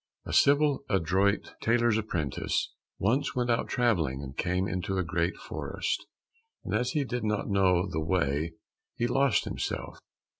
A civil, adroit tailor's apprentice once went out travelling, and came into a great forest, and, as he did not know the way, he lost himself.